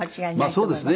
そうですね。